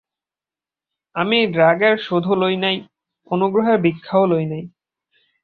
আমি রাগের শোধও লই না, অনুগ্রহের ভিক্ষাও লই না।